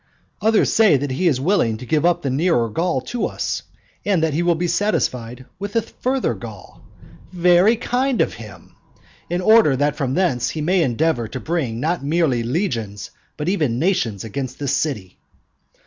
Others say that he is willing to give up the nearer Gaul to us, and that he will be satisfied with the further Gaul. Very kind of him! in order that from thence he may endeavour to bring not merely legions, but even nations against this city.